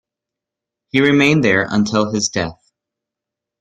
He remained there until his death.